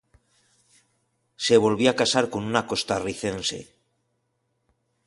Se volvió a casar con una costarricense.